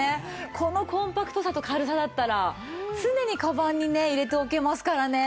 このコンパクトさと軽さだったら常にかばんにね入れておけますからね。